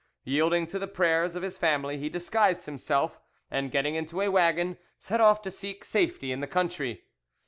Yielding to the prayers of his family, he disguised himself, and, getting into a waggon, set off to seek safety in the country.